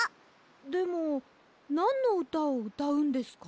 でもなんのうたをうたうんですか？